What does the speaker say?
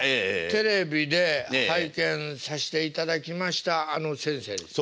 テレビで拝見させていただきましたあの先生ですか？